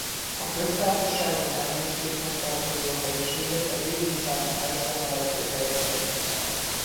A köztársasági elnökséghez tartozó helyiségek a déli szárny első emeletén helyezkednek el.